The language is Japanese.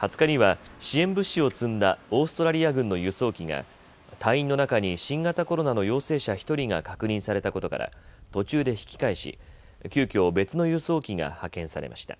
２０日には支援物資を積んだオーストラリア軍の輸送機が隊員の中に新型コロナの陽性者１人が確認されたことから途中で引き返し急きょ、別の輸送機が派遣されました。